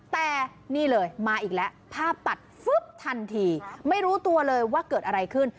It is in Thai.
แต่นี่เลยมาอีกแล้วภาพตัดฟึ๊บทันทีไม่รู้ตัวเลยว่าเกิดอะไรขึ้น